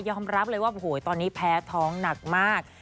รับเลยว่าโอ้โหตอนนี้แพ้ท้องหนักมาก